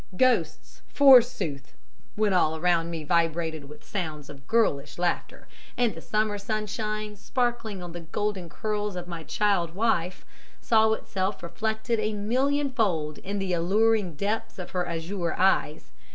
Ghosts, forsooth! When all around me vibrated with the sounds of girlish laughter, and the summer sunshine, sparkling on the golden curls of my child wife, saw itself reflected a millionfold in the alluring depths of her azure eyes.